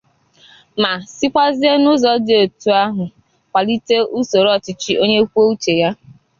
ma sikwazie n'ụzọ dị etu ahụ kwàlite usoro ọchịchị onye kwuo uche ya.